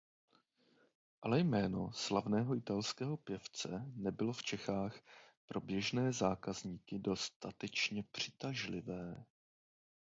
Ale jméno slavného italského pěvce nebylo v Čechách pro běžné zákazníky dostatečně přitažlivé.